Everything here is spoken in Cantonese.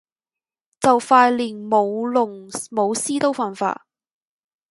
就快連舞龍舞獅都犯法